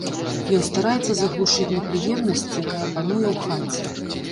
Ён стараецца заглушыць непрыемнасць, якая пануе ў хаце.